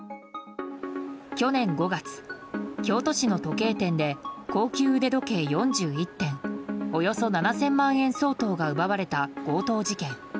去年５月、京都市の時計店で高級腕時計４１点およそ７０００万円相当が奪われた強盗事件。